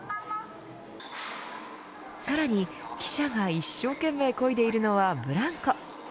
さらに、記者が一生懸命こいでいるのはブランコ。